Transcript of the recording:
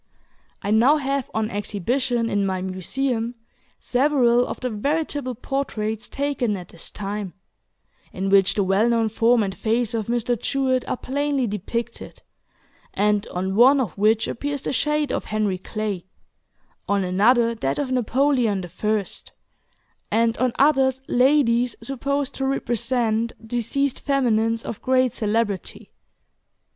I now have on exhibition in my Museum several of the veritable portraits taken at this time, in which the well known form and face of Mr. Jewett are plainly depicted, and on one of which appears the shade of Henry Clay, on another that of Napoleon the First, and on others ladies supposed to represent deceased feminines of great celebrity.